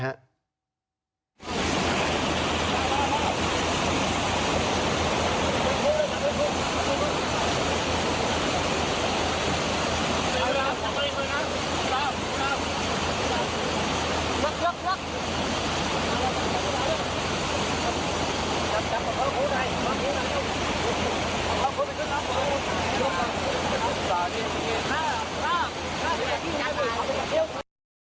ครับครับครับที่น้ำ